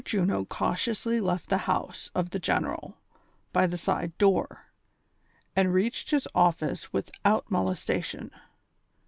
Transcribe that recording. Juno cautiously left the house of the General by the side door, and reached his office without molestation.